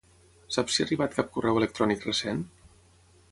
Saps si ha arribat cap correu electrònic recent?